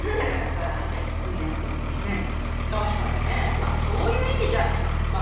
まあそういう意味じゃまあ